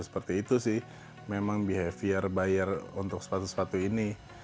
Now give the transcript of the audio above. seperti itu sih memang behavior buyer untuk sepatu sepatu ini